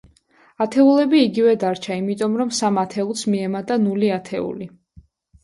ათეულები იგივე დარჩა, იმიტომ რომ სამ ათეულს მიემატა ნული ათეული.